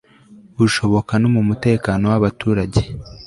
bushoboka no mu mutekano wabaturage